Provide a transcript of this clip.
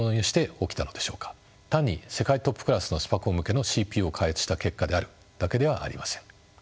単に世界トップクラスのスパコン向けのＣＰＵを開発した結果であるだけではありません。